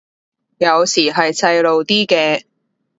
有時係細路啲嘅